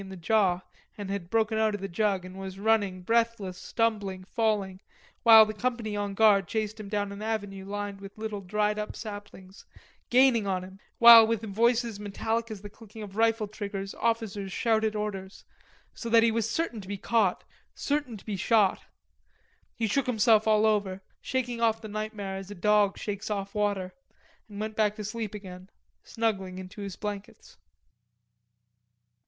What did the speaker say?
in the jaw and had broken out of the jug and was running, breathless, stumbling, falling, while the company on guard chased him down an avenue lined with little dried up saplings, gaining on him, while with voices metallic as the clicking of rifle triggers officers shouted orders, so that he was certain to be caught, certain to be shot. He shook himself all over, shaking off the nightmare as a dog shakes off water, and went back to sleep again, snuggling into his blankets.